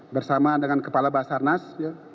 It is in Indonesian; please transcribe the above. bersama dengan kepala basarnas